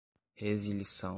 resilição